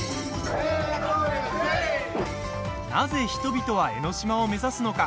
なぜ人々は江の島を目指すのか。